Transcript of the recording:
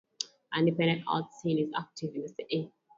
An independent art scene is active in the city.